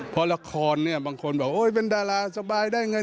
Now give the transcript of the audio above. เพราะละครบางคนบอกเป็นดาราสบายได้ไง